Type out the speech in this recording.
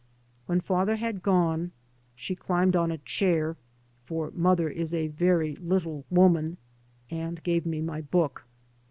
When father had gone she climbed on a chair, for mother is a very little woman, and gave me my book.